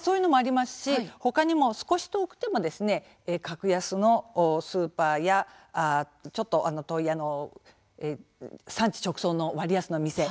そういうのもありますし他にも、少し遠くても格安のスーパーやちょっと遠い産地直送の割安の店